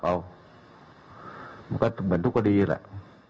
เอาก็เหมือนทุกกฎีเลย